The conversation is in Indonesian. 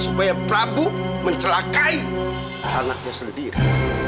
supaya prabu mencelakai anaknya sendiri